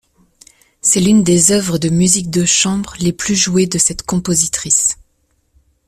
C'est l'une des œuvres de musique de chambre les plus jouées de cette compositrice.